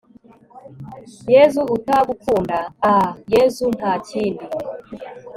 yezu utagukunda, ah yezu; nta kindi